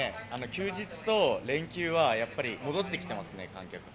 休日と連休は、やっぱり戻ってきてますね、観客。